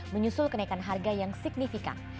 menyusul kenaikan harga yang signifikan